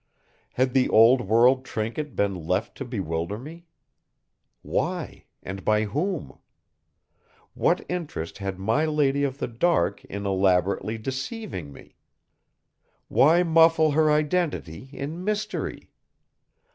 Had the old world trinket been left to bewilder me? Why, and by whom? What interest had my lady of the dark in elaborately deceiving me? Why muffle her identity in mystery?